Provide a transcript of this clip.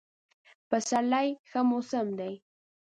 پسرلی ښه موسم دی.